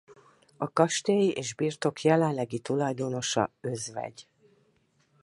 A kastély és birtok jelenlegi tulajdonosa özv.